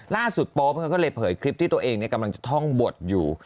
ล่าสุดโป๊ปก็เลยเผยคลิปที่ตัวเองเนี้ยกำลังจะท่องบดอยู่